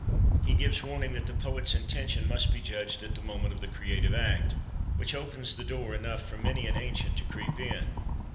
He gives warning that "the poet's intention must be judged at the moment of the creative act"—which opens the door enough for many an ancient to creep in.